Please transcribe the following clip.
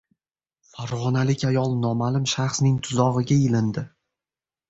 Farg‘onalik ayol noma’lum shaxsning tuzog‘iga ilindi